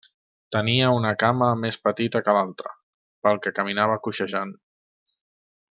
Tenia una cama més petita que l'altra pel que caminava coixejant.